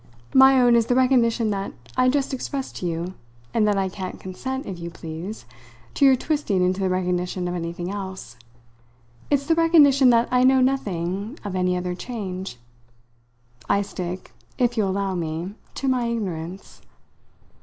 My own is the recognition that I just expressed to you and that I can't consent, if you please, to your twisting into the recognition of anything else. It's the recognition that I know nothing of any other change. I stick, if you'll allow me, to my ignorance."